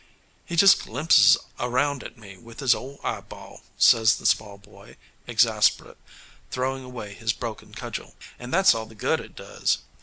"He just glimpses around at me with his old eyeball," says the Small Boy, exasperate, throwing away his broken cudgel, "and that's all the good it does."